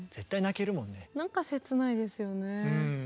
なんか切ないですよね。